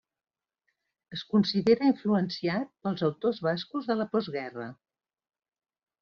Es considera influenciat pels autors bascos de la postguerra.